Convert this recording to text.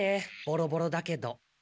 ボロボロだけど。